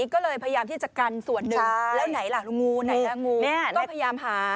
ก็เลยพยายามที่จะกันส่วนหนึ่งแล้วไหนล่ะงูก็พยายามหา